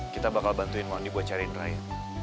kita bakal bantuin wony buat cariin raya